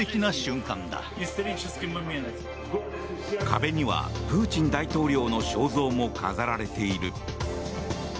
壁にはプーチン大統領の肖像も飾られている。